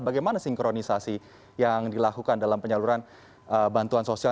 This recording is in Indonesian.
bagaimana sinkronisasi yang dilakukan dalam penyaluran bantuan sosial